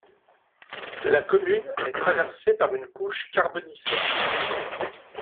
La commune est traversée par une couche carbonifère.